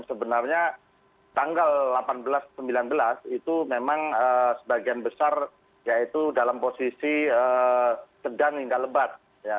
sebenarnya tanggal delapan belas sembilan belas itu memang sebagian besar yaitu dalam posisi sedang hingga lebat